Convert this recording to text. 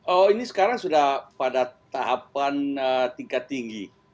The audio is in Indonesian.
oh ini sekarang sudah pada tahapan tingkat tinggi